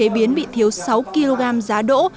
bị thiếu sáu kg giá đỗ